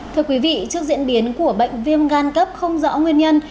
thưa quý vị trước diễn biến của bệnh viêm gan cấp không rõ nguyên nhân